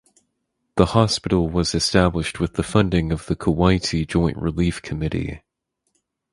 The hospital was established with the funding of the Kuwaiti Joint Relief Committee.